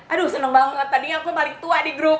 aduh seneng banget tadinya aku paling tua di grup